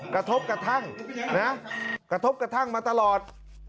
กระทบกระทั่งนะกระทบกระทั่งมาตลอด